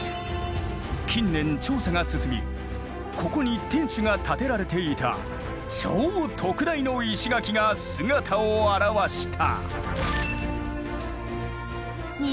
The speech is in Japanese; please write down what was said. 近年調査が進みここに天守が建てられていた超特大の石垣が姿を現した。